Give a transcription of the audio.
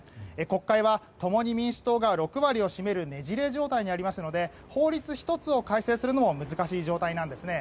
国会は共に民主党が６割を占めるねじれ状態にありますので法律１つを改正するのも難しい状態です。